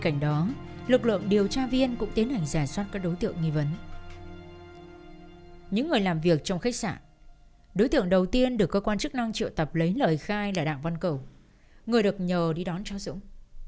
những người làm việc trong khách sạn đối tượng đầu tiên được cơ quan chức năng triệu tập lấy lời khai là đặng văn cầu người được nhờ đi đón cháu dũng